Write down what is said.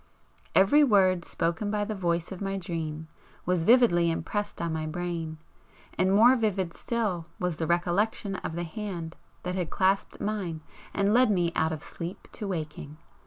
Every word spoken by the Voice of my dream was vividly impressed on my brain, and more vivid still was the recollection of the hand that had clasped mine and led me out of sleep to waking.